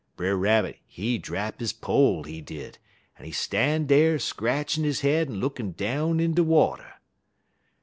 Brer Rabbit, he drap he pole, he did, en he stan' dar scratchin' he head en lookin' down in de water.